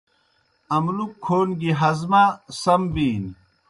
املُک کھون گیْ ہضمہ سم بِینیْ۔